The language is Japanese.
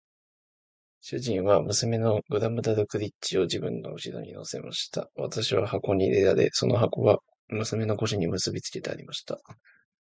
主人は娘のグラムダルクリッチを自分の後に乗せました。私は箱に入れられ、その箱は娘の腰に結びつけてありました。